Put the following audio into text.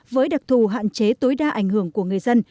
với đặc thù hạn chế tối đa ảnh hưởng của người dân